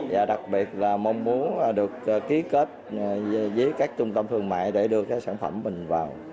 và đặc biệt là mong muốn được ký kết với các trung tâm thương mại để đưa cái sản phẩm mình vào